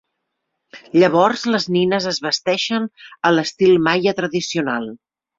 Llavors les nines es vesteixen a l'estil maia tradicional.